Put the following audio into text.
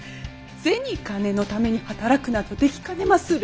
銭金のために働くなどできかねまする。